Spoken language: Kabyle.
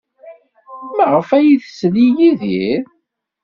Maɣf ay tsell i Yidir?